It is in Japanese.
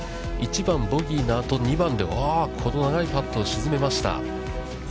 １番、ボギーのあと、２番でこの長いパットを沈めました。